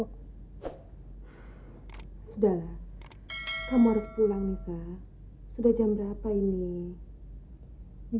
kangen itu seperti apa sih bu